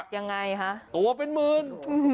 ยังไงคะตัวเป็นหมื่น